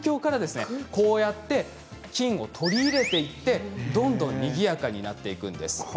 こうやって菌を取り入れていってどんどんにぎやかになっていくんです。